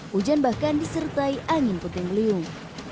hujan bahkan disertai angin puting beliung